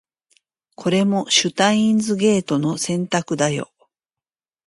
これもシュタインズゲートの選択だよ